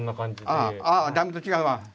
ああだいぶ違うわ！